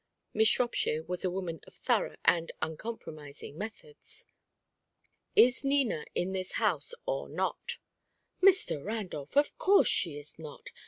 Miss Shropshire was a woman of thorough and uncompromising methods. "Is Nina in this house or not?" "Mr. Randolph! Of course she is not.